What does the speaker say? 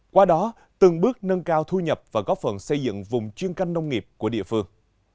qua đó từng bước nâng cao thu nhập và góp phần xây dựng vùng chuyên canh nông nghiệp của địa phương